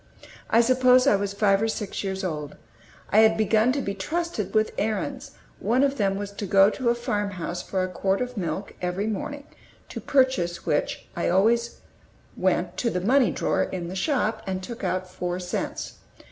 I suppose I was five or six years old. I had begun to be trusted with errands; one of them was to go to a farmhouse for a quart of milk every morning, to purchase which I went always to the money drawer in the shop and took out four cents.